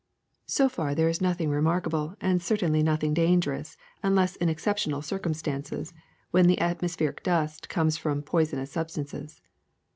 So far there is nothing remarkable and certainly 312 GERMS 313 nothing dangerous unless in exceptional circum stances, when this atmospheric dust comes from poisonous substances.